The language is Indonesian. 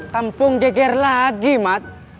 kampung geger lagi mat